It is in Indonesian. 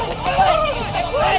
aku akan mencari